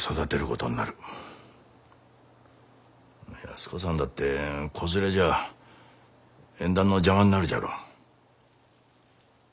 安子さんだって子連れじゃあ縁談の邪魔になるじゃろう。